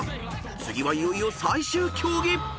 ［次はいよいよ最終競技］